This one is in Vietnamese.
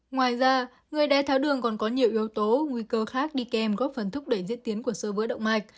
ngoài ra người đái tháo đường còn có nhiều yếu tố nguy cơ khác đi kèm góp phần thúc đẩy diễn tiến của sờ vỡ động mạch